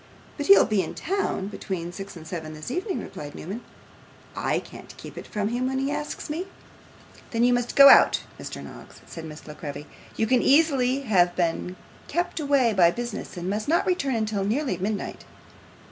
'But he'll be in town between six and seven this evening,' replied Newman. 'I can't keep it from him when he asks me.' 'Then you must go out, Mr. Noggs,' said Miss La Creevy. 'You can easily have been kept away by business, and must not return till nearly midnight.